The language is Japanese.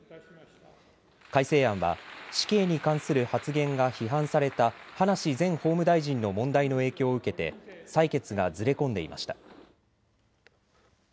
改正案は死刑に関する発言が批判された葉梨前法務大臣の問題の影響を受けて採決がずれ込んでいました。